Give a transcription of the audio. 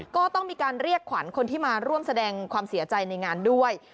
ก็ต้องมีการเรียกขวัญคนที่มาร่วมแสดงความเสียใจในงานด้วย